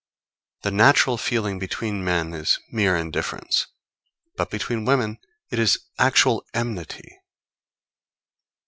The natural feeling between men is mere indifference, but between women it is actual enmity.